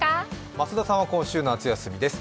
増田さんは今週夏休みです。